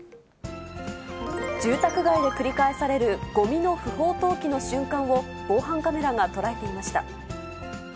住宅街で繰り返されるごみの不法投棄の瞬間を、防犯カメラが捉えていました。